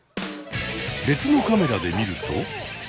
別のカメラで見ると。